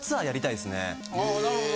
あなるほど。